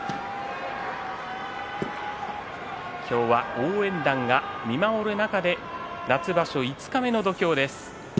今日は応援団が見守る中で夏場所五日目の土俵です。